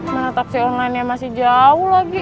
mana taksi online nya masih jauh lagi